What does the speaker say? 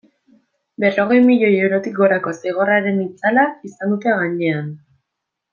Berrogei milioi eurotik gorako zigorraren itzala izan dute gainean.